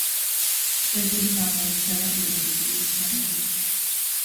კრებული გამოირჩევა ეროტიკული სცენებით.